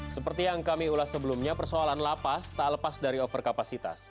seperti yang kami ulas sebelumnya persoalan lapas tak lepas dari overkapasitas